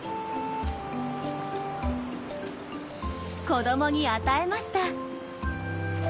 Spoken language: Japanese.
子どもに与えました。